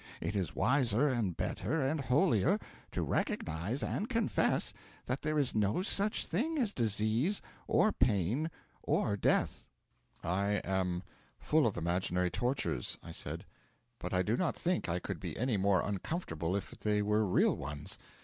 It is wiser and better and holier to recognise and confess that there is no such thing as disease or pain or death.' 'I am full of imaginary tortures,' I said, 'but I do not think I could be any more uncomfortable if they were real ones.